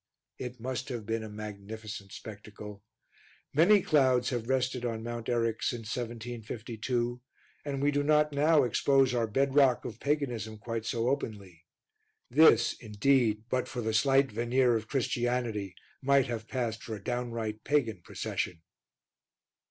It must have been a magnificent spectacle. Many clouds have rested on Mount Eryx since 1752 and we do not now expose our bedrock of paganism quite so openly. This, indeed, but for the slight veneer of Christianity, might have passed for a downright pagan procession.